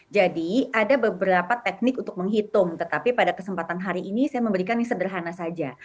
jadi ada beberapa teknik untuk menghitung tetapi pada kesempatan hari ini saya memberikan yang sederhana saja